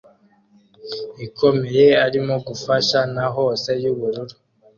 ikomeye arimo gufasha na hose yubururu